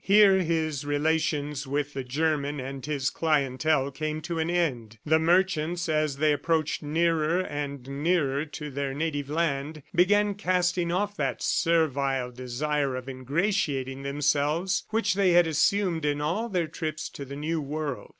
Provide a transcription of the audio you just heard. Here his relations with the German and his clientele came to an end. The merchants, as they approached nearer and nearer to their native land, began casting off that servile desire of ingratiating themselves which they had assumed in all their trips to the new world.